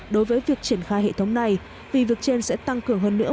đối với việc triển khai hệ thống này vì việc trên sẽ tăng cường hơn nữa